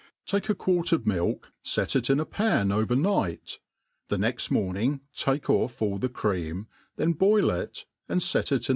TAKE a quart of milk, fet it in a pan over night, the next morning take off all the cream, then boil it, and fet it in.